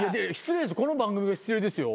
この番組が失礼ですよ。